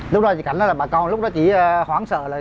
lúc đó chỉ khẳng định là bà con lúc đó chỉ khoảng sợ là